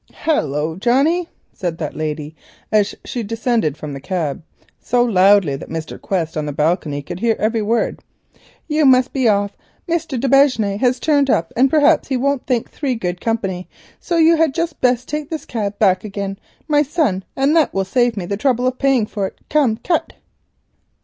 "Hullo, Johnnie," said the lady, as she descended from the cab, so loudly that Mr. Quest on the balcony could hear every word, "you must be off; Mr. d'Aubigne has turned up, and perhaps he won't think three good company, so you had just best take this cab back again, my son, and that will save me the trouble of paying it. Come, cut."